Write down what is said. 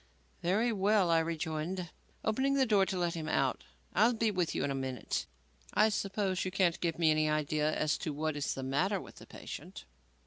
"Very well," I rejoined, opening the door to let him out, "I'll be with you in a minute. I suppose you can't give me any idea as to what is the matter with the patient?"